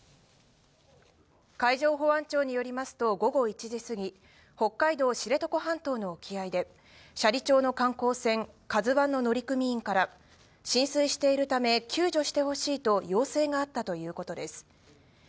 海上保安庁によりますと、午後１時過ぎ、北海道知床半島の沖合で、斜里町の観光船、ＫＡＺＵ１の乗組員から浸水しているため、救助してほしいと要請があったということです。